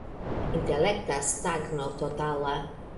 Intelekta stagno totala.